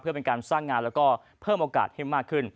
เพื่อเป็นการสร้างงานแล้วก็เพิ่มโอกาสให้มากขึ้น